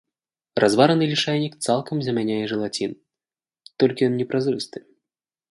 Развараны лішайнік цалкам замяняе жэлацін, толькі ён непразрысты.